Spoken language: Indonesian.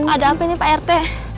ada apa nih pak rt